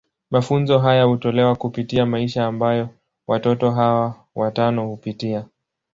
Mafunzo haya hutolewa kupitia maisha ambayo watoto hawa watano hupitia.